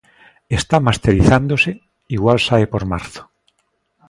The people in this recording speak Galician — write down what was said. Está masterizándose, igual sae por marzo.